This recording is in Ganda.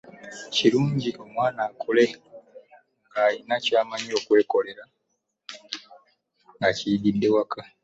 Kirungi omwana akule ng’aliko ky’amanyi okwekolera ng’akiyigidde waka.